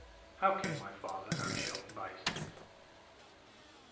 How came my father, Harry Shelton, by his death?"